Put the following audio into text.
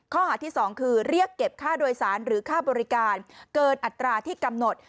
ข้อหาที่๒คือเรียกเก็บค่าโดยสารหรือค่าบริการเกินอัตราที่กำหนด